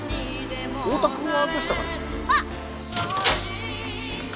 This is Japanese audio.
太田君はどうしたかね？